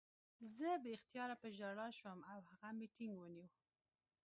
زه بې اختیاره په ژړا شوم او هغه مې ټینګ ونیو